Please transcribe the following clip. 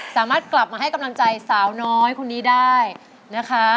สามารถกลับมาให้กำลังใจสาวน้อยคนนี้ได้นะคะ